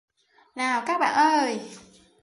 Nào các bạn ơi